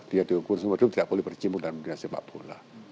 dia dihukum seumur hidup tidak boleh berciput dalam bidang sepak bola